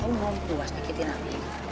kamu belum puas dikitin aku